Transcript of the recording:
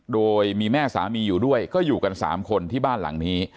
โดยมีแม่สามีอยู่ด้วยก็อยู่กัน๓คนที่บ้านหลังนี้